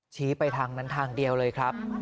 ชี้ไปทางนั้นทางเดียวเลยครับ